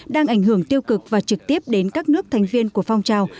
đang ảnh hưởng tiêu cực và trực tiếp đến các nước thành viên của phong trào